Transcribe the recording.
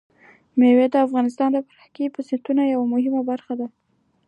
مېوې د افغانستان د فرهنګي فستیوالونو یوه مهمه برخه ده.